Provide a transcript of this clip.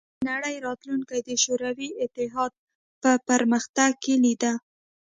د نړۍ راتلونکې د شوروي اتحاد په پرمختګ کې لیده